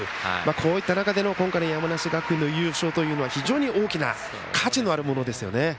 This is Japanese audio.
こういった中での今回の山梨学院の優勝というのは大きな価値のあるものです。